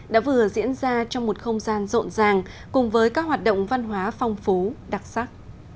đã vừa diễn ra trong một không gian rộn ràng cùng với các hoạt động văn hóa phong phú đặc sắc